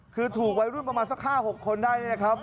คือถูกวัยรุ่นประมาณสัก๕๖คนได้นะครับ